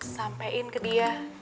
sampain ke dia